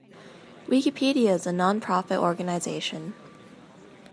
Wikipedia is a non-profit organization.